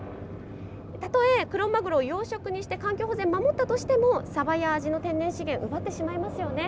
たとえクロマグロ養殖にして環境保全を守ったとしてもサバやアジの天然資源奪ってしまいますよね。